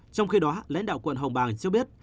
trong khi đó lãnh đạo quận hồng bàng cho biết